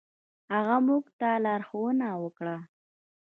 هغه موږ ته لارښوونه وکړه.